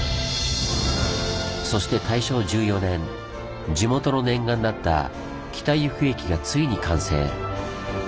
そして大正１４年地元の念願だった北由布駅がついに完成。